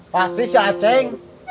pasti si aceh